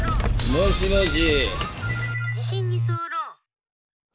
もしもし？